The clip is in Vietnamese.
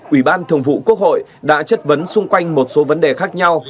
ủy ban thường vụ quốc hội đã chất vấn xung quanh một số vấn đề khác nhau